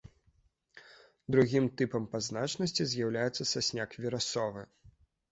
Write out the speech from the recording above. Другім тыпам па значнасці з'яўляецца сасняк верасовы.